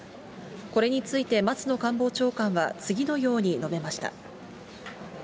これについて、松野官房長官は次のように述べました。